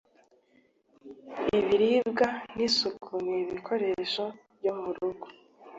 ibiribwa n'isuku y'ibikoresho byo mu rugo,